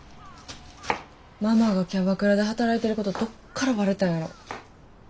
ママがキャバクラで働いてることどっからバレたんやろ。